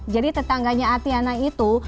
jadi tetangganya atatiana itu